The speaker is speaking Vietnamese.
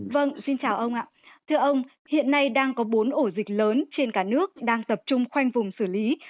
vâng xin chào ông ạ thưa ông hiện nay đang có bốn ổ dịch lớn trên cả nước đang tập trung khoanh vùng xử lý